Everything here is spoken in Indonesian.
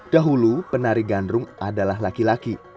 dahulu penari gandrung adalah laki laki